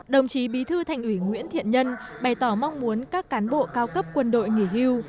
đồng chí bí thư thành ủy nguyễn thiện nhân bày tỏ mong muốn các cán bộ cao cấp quân đội nghỉ hưu